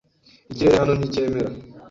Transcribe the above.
Ikirere hano nticyemera.